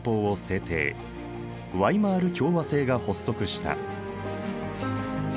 ワイマール共和政が発足した。